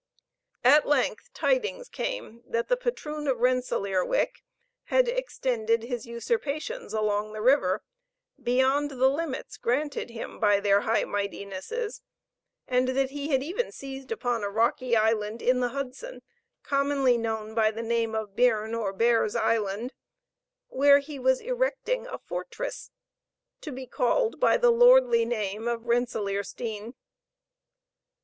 At length tidings came that the patroon of Rensellaerwick had extended his usurpations along the river, beyond the limits granted him by their High Mightinesses, and that he had even seized upon a rocky island in the Hudson, commonly known by the name of Beern or Bear's Island, where he was erecting a fortress, to be called by the lordly name of Rensellaersteen.